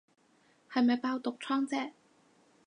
係未爆毒瘡姐